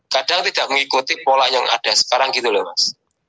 kadang tidak mengikuti pola yang ada sekarang gitu loh mas